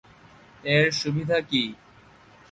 এর সুবিধা কী?